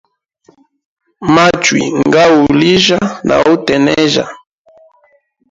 Machui nga u uhulijya na utenejya.